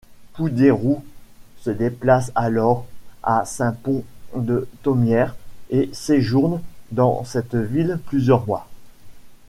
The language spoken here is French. Poudérous se déplace alors à Saint-Pons-de-Thomières et séjourne dans cette ville plusieurs mois.